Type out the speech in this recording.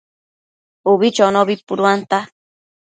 Ubi chonobi puduanta